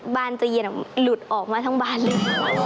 บ้านใจเย็นหลุดออกมาทั้งบ้านเลย